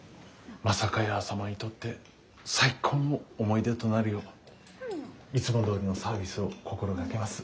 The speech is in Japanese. まさかやー様にとって最高の思い出となるよういつもどおりのサービスを心がけます。